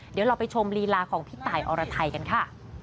เดี๋ยวเราไปชมลีลาของพี่ตายอรไทยกันค่ะ